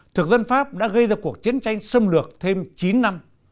thực dân pháp đã gây ra cuộc chiến tranh xâm lược thêm chín năm